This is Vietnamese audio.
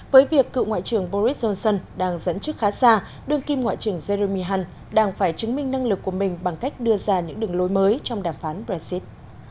với việc cựu ngoại trưởng boris johnson đang dẫn trước khá xa đương kim ngoại trưởng jerumy hunt đang phải chứng minh năng lực của mình bằng cách đưa ra những đường lối mới trong đàm phán brexit